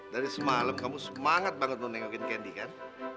dari semalam kamu semangat banget ngejengukin candy kan